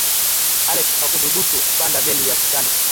alex hakuthubutu kupanda meli ya titanic